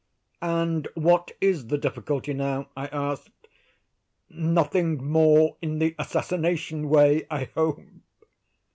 "And what is the difficulty now?" I asked. "Nothing more in the assassination way, I hope?"